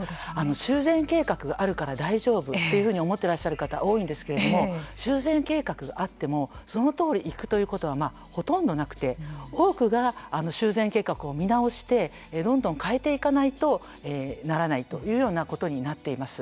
修繕計画があるから大丈夫というふうに思っていらっしゃる方多いんですけれども修繕計画があってもそのとおりに行くということはまあ、ほとんどなくて多くが修繕計画を見直してどんどん変えていかないとならないというようなことになっています。